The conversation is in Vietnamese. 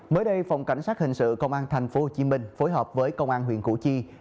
mới đây phòng cảnh sát hình sự công an tp hcm phối hợp với công an huyện củ chi